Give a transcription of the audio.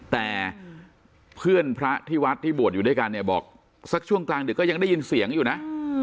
แต่เพื่อนพระที่วัดที่บวชอยู่ด้วยกันเนี่ยบอกสักช่วงกลางดึกก็ยังได้ยินเสียงอยู่นะ